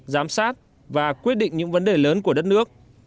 giám sát và quyết định những vấn đề lớn của đất nước